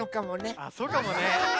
あっそうかもね。